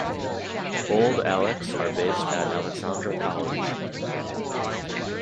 Old Alex are based at Alexandra College.